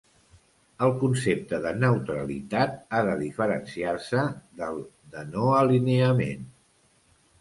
El concepte de neutralitat ha de diferenciar-se del de no-alineament.